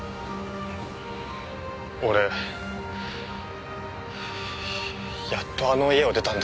俺やっとあの家を出たんだ。